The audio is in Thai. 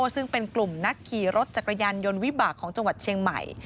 ซึ่งเป็นกลุ่มนักขี่รถจักรยานยนต์วิบากของจังหวัดเชียงใหม่